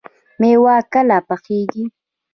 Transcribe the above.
مېوه کله پخیږي؟